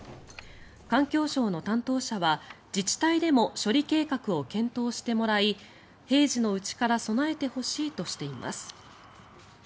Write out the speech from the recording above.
環境省の担当者は、自治体でも処理計画を検討してもらい平時のうちから備えてほしいとしています。